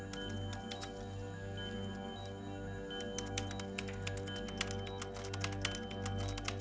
terima kasih pak haji